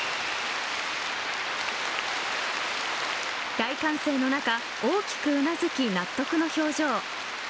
大歓声の中大きくうなずき、納得の表情。